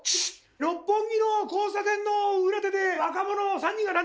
六本木の交差点の裏手で若者３人が乱闘。